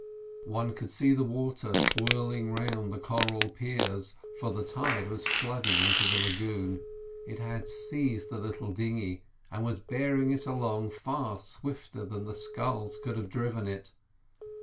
One could see the water swirling round the coral piers, for the tide was flooding into the lagoon; it had seized the little dinghy and was bearing it along far swifter than the sculls could have driven it.